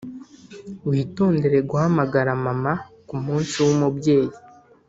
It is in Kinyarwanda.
witondere guhamagara mama kumunsi wumubyeyi